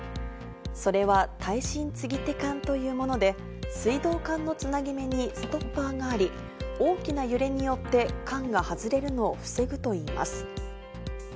それは耐震継手管というもので、水道管のつなぎ目にストッパーがあり、大きな揺れによって管が外れるのを防ぐといいます。